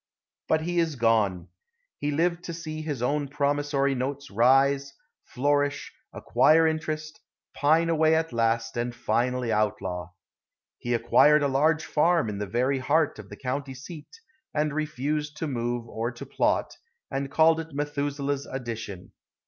But he is gone. He lived to see his own promissory notes rise, flourish, acquire interest, pine away at last and finally outlaw. He acquired a large farm in the very heart of the county seat, and refused to move or to plot, and called it Methuselah's addition.